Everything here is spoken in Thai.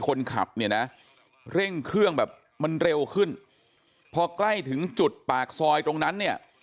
คนขับเนี่ยนะเร่งเครื่องแบบมันเร็วขึ้นพอใกล้ถึงจุดปากซอยตรงนั้นเนี่ย